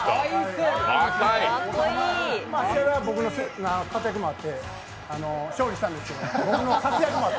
試合は僕の活躍もあって勝利したんですけど。